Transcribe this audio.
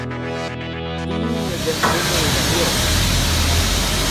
Eñ a gempenno e varc'h-houarn.